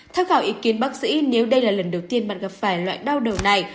theo khảo ý kiến bác sĩ nếu đây là lần đầu tiên bạn gặp phải loại đau đầu này